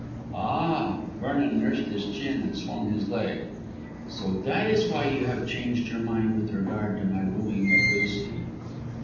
"Ah!" Vernon nursed his chin and swung his leg. "So that is why you have changed your mind with regard to my wooing of Lucy?"